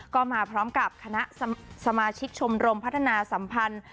ก็มาพร้อมกับคณะสมาชิกชมรมพัฒนาสัมพันธ์